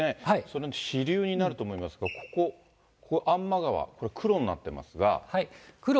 それの支流になると思いますが、ここ、安間川、これ、黒になってますが。